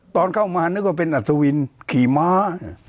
ตอนเข้ามานึกว่าเป็นอัศวินขี่ม้า